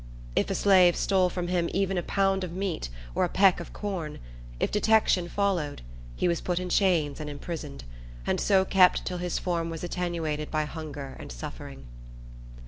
If a slave stole from him even a pound of meat or a peck of corn, if detection followed, he was put in chains and imprisoned, and so kept till his form was attenuated by hunger and suffering.